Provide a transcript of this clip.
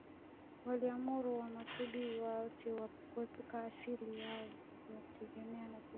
waliamuru Wamatumbi wote kuepukana na asili yao ya kutembea na fimbo